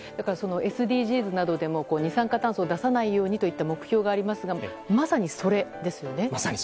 ＳＤＧｓなどでも二酸化炭素を出さないようにといった目標がありますがまさにそれですよね。